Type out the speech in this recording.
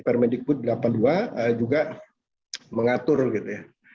paramedic put delapan puluh dua juga mengatur gitu ya